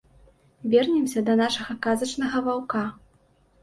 Вернемся да нашага казачнага ваўка.